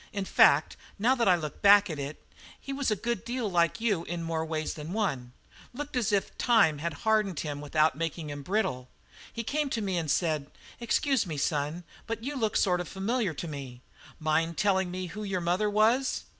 In fact, now that I look back at it, he was a good deal like you in more ways than one; looked as if time had hardened him without making him brittle. He came to me and said: 'Excuse me, son, but you look sort of familiar to me. Mind telling me who your mother was?'